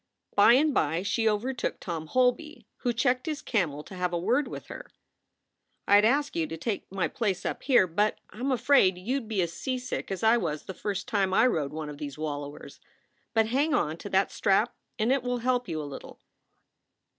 By and by she overtook Tom Holby, who checked his camel to have a word with her: "I d ask you to take my place up here, but I m afraid SOULS FOR SALE 137 you d be as seasick as I was the first time I rode one of these wallowers. But hang on to that strap and it will help you a little."